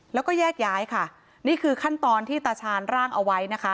แล้วก็แยกย้ายค่ะนี่คือขั้นตอนที่ตาชาญร่างเอาไว้นะคะ